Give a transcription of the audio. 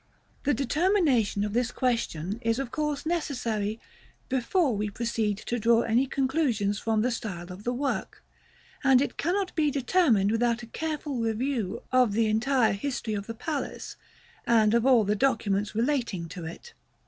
The determination of this question is of course necessary before we proceed to draw any conclusions from the style of the work; and it cannot be determined without a careful review of the entire history of the palace, and of all the documents relating to it.